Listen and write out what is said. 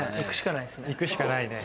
行くしかないね。